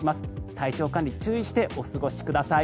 体調管理、注意してお過ごしください。